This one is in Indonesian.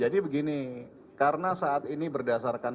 dengan pertimbangan kakak